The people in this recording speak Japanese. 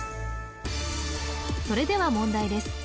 それでは問題です